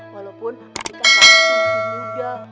walaupun atika masih muda